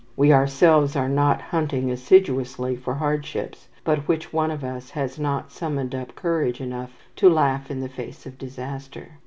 We ourselves are not hunting assiduously for hardships; but which one of us has not summoned up courage enough to laugh in the face of disaster?